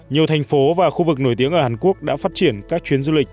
nhiều thành phố và khu vực nổi tiếng ở hàn quốc đã phát triển các chuyến du lịch